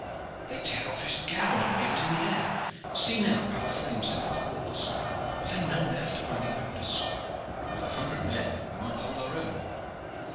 They tear off his gown and wave it in the air! See now, how the flames lick up the walls! Are there none left to rally round us? With a hundred men we might hold our own."